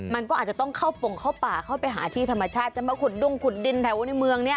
มันก็อาจจะต้องเข้าปงเข้าป่าเข้าไปหาที่ธรรมชาติจะมาขุดดุ้งขุดดินแถวในเมืองเนี่ย